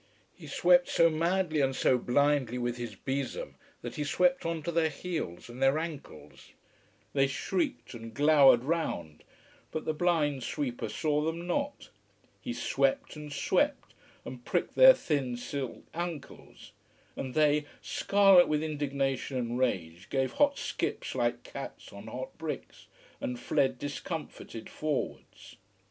He swept so madly and so blindly with his besom that he swept on to their heels and their ankles. They shrieked and glowered round, but the blind sweeper saw them not. He swept and swept and pricked their thin silk ankles. And they, scarlet with indignation and rage, gave hot skips like cats on hot bricks, and fled discomfited forwards.